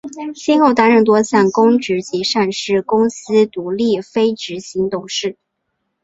先后担任多项公职及上市公司独立非执行董事。